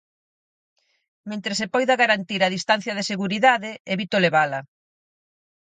Mentres se poida garantir a distancia de seguridade, evito levala.